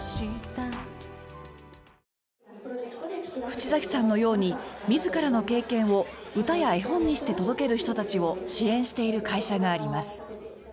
渕崎さんのように自らの経験を歌や絵本にして届ける人たちを支援している会社があります。